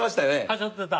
はしょってた。